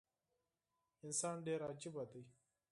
انسان ډیر عجیبه دي